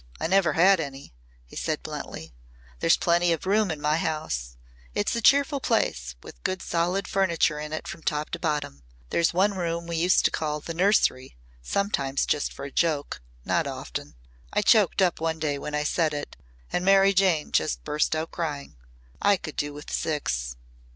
I never had any," he said bluntly. "There's plenty of room in my house. It's a cheerful place with good solid furniture in it from top to bottom. There's one room we used to call 'the Nursery' sometimes just for a joke not often. I choked up one day when I said it and Mary Jane burst out crying. I could do with six."